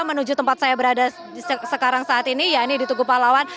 menuju tempat saya berada sekarang saat ini ya ini di tugu pahlawan